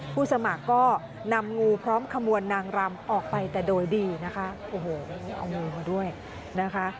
ผู้สมัครก็นำงูพร้อมขบวนนางรำออกไปแต่โดยดีนะคะโอ้โหแล้วนี่เอางูมาด้วยนะคะ